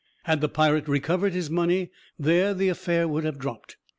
Had the pirate recovered his money, there the affair would have dropped.